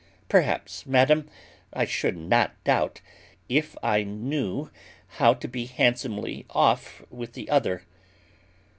"Perhaps, madam, I should not doubt, if I knew how to be handsomely off with the other."